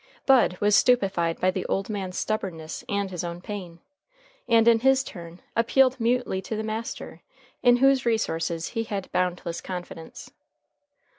Bud was stupefied by the old man's stubbornness and his own pain, and in his turn appealed mutely to the master, in whose resources he had boundless confidence.